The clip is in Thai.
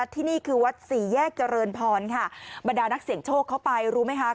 ที่นี่คือวัดสี่แยกเจริญพรค่ะบรรดานักเสี่ยงโชคเข้าไปรู้ไหมคะ